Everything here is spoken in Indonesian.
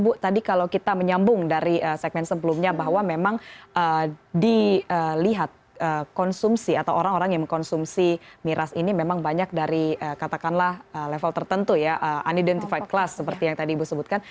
bu tadi kalau kita menyambung dari segmen sebelumnya bahwa memang dilihat konsumsi atau orang orang yang mengkonsumsi miras ini memang banyak dari katakanlah level tertentu ya unidentified class seperti yang tadi ibu sebutkan